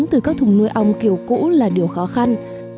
từ các thùng nuôi ong kiểu cũ là điều khó khăn